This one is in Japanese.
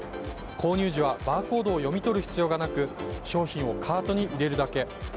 購入時はバーコードを読み取る必要がなく商品をカートに入れるだけ。